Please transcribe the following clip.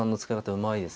うまいですね。